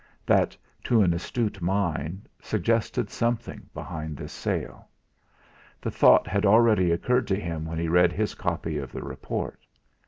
That, to an astute mind, suggested something behind this sale. The thought had already occurred to him when he read his copy of the report.